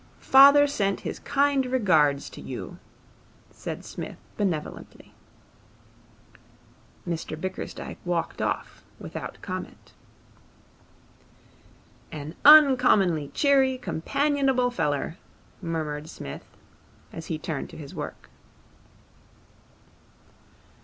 'Father sent his kind regards to you,' said Psmith benevolently. Mr Bickersdyke walked off without comment. 'An uncommonly cheery, companionable feller,' murmured Psmith, as he turned to his work.